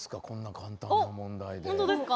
こんな簡単な問題で。